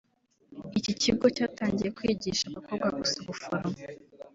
Iki kigo cyatangiye kigisha abakobwa gusa ubuforomo (infirmiere)